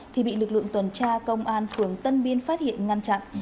thì bị lực lượng tuần tra công an phường tân biên phát hiện ngăn chặn